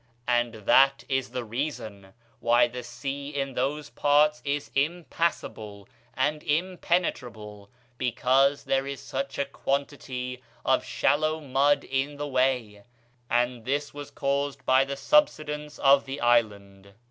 And that is the reason why the sea in those parts is impassable and impenetrable, because there is such a quantity of shallow mud in the way; and this was caused by the subsidence of the island.'